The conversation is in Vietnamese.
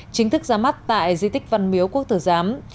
chính thức ra mắt tại di tích văn miếu quốc tử giám